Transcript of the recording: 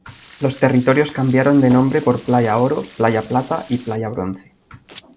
Los territorios cambiaron de nombre por Playa Oro, Playa Plata y Playa Bronce.